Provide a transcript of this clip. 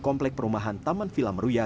komplek perumahan taman villa meruya